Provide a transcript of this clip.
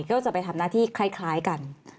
ก็จะไปทำหน้าที่คล้ายกัน